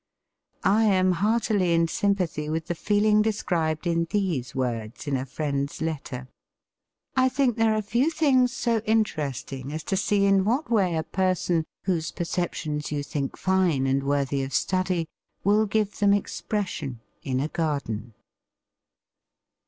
I am heartily in sympathy with the feeling described in these words in a friend's letter, "I think there are few things so interesting as to see in what way a person, whose perceptions you think fine and worthy of study, will give them expression in a garden."